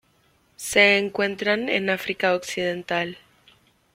Se encuentran en África Occidental.